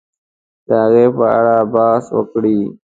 د هغې په اړه بحث وکړي